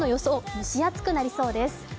蒸し暑くなりそうです。